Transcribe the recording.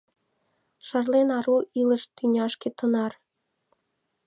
Шарлен ару илыш тӱняшке тынар!